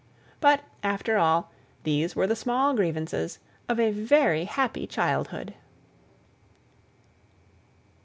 But, after all, these were the small grievances of a very happy childhood.